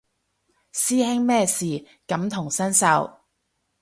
師兄咩事感同身受